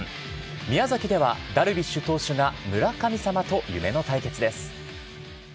宮崎ではダルビッシュ投手が村神様と夢の対決です。